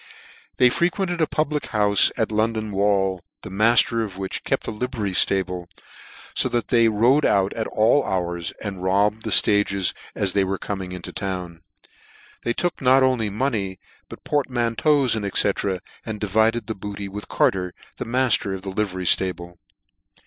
They frequented a public houfe at London Wall, the mafter of which kept a livery liable, fo that they rode out at all hours, and robbed the ftages, as they were coming into town. They took not only money, but portmanteaus, &c. and diyided the booty with Carter, the mafter of the livery ftable.